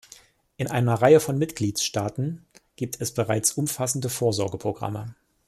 In einer Reihe von Mitgliedstaaten gibt es bereits umfassende Vorsorgeprogramme.